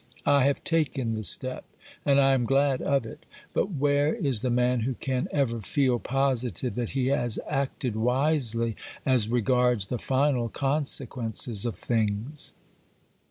I have taken the step, and I am glad of it ; but where is the man who can ever feel positive that he has acted wisely as regards the final consequences of things